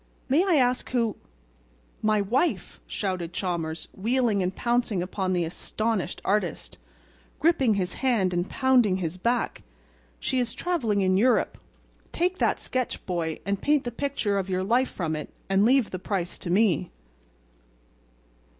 May I ask who—" "My wife!" shouted Chalmers, wheeling and pouncing upon the astonished artist, gripping his hand and pounding his back. "She is traveling in Europe. Take that sketch, boy, and paint the picture of your life from it and leave the price to me."